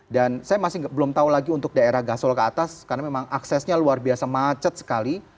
dan saya masih belum tahu lagi untuk daerah gasol ke atas karena memang aksesnya luar biasa macet sekali